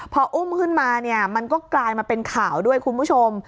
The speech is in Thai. พออุ้มขึ้นมาเนี่ยมันก็กลายมาเป็นข่าวด้วยคุณผู้ชม